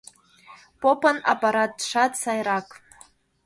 Попын аппаратшат сайрак.